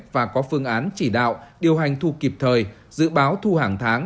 và có phương án chỉ đạo điều hành thu kịp thời dự báo thu hàng tháng